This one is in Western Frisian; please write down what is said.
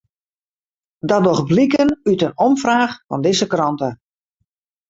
Dat docht bliken út in omfraach fan dizze krante.